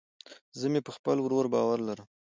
زه مې په خپل ورور باور لرم